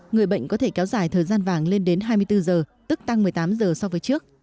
người bệnh có thể kéo dài thời gian vàng lên đến hai mươi bốn giờ tức tăng một mươi tám giờ so với trước